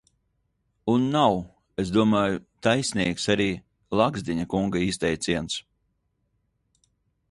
Un nav, es domāju, taisnīgs arī Lagzdiņa kunga izteiciens.